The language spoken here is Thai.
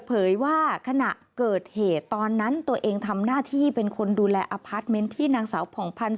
เผยว่าขณะเกิดเหตุตอนนั้นตัวเองทำหน้าที่เป็นคนดูแลอพาร์ทเมนต์ที่นางสาวผ่องพันธ์